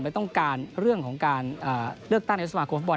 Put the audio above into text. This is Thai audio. และต้องการเรื่องของการเลือกตั้งในยกสมัครกรมภาพบอล